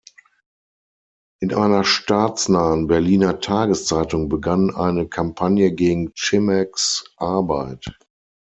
In einer staatsnahen Berliner Tageszeitung begann eine Kampagne gegen Grzimeks Arbeit.